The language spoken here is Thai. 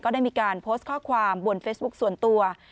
ได้มีการโพสต์ข้อความบนเฟซบุ๊คส่วนตัว